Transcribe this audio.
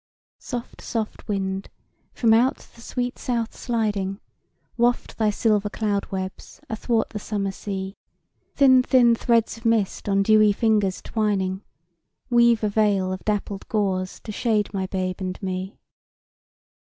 "Soft soft wind, from out the sweet south sliding, Waft thy silver cloud webs athwart the summer sea; Thin thin threads of mist on dewy fingers twining Weave a veil of dappled gauze to shade my babe and me.